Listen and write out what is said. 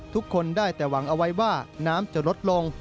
ทุกคนได้แต่หวังเอาไว้ว่าน้ำจะลดลง